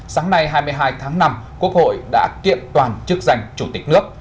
sáng nay hai mươi hai tháng năm quốc hội đã kiện toàn chức danh chủ tịch nước